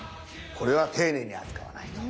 これは丁寧に扱わないと。